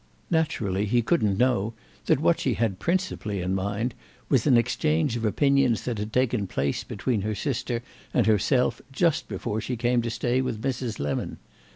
Naturally he couldn't know that what she had principally in mind was an exchange of opinions that had taken place between her sister and herself just before she came to stay with Mrs. Lemon.